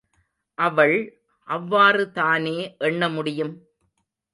அவள் அவ்வாறுதானே எண்ண முடியும்?